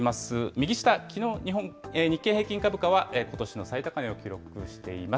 右下、きのう、日経平均株価はことしの最高値を記録しています。